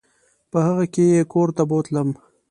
په هغه کې یې کور ته بوتلم.